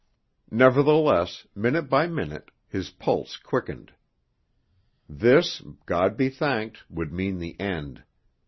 Nevertheless, minute by minute, his pulse quickened. This, God be thanked, would mean the end.